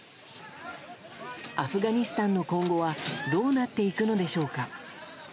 アフガニスタンの今後はどうなっていくのでしょうか。